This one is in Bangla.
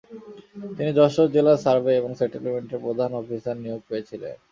তিনি যশোর জেলার সার্ভে এন্ড সেটেলমেন্টের প্রধান অফিসার নিয়োগ পেয়েছিলেন।